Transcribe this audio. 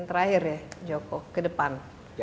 terakhir ya joko kedepan